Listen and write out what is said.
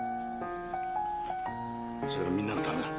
それがみんなのためだ。